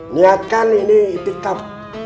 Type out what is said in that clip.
niatkan ini tetap